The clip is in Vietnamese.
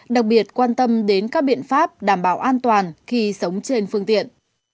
đặc biệt quan tâm đến các biện pháp đảm bảo an toàn khi sống trên phương tiện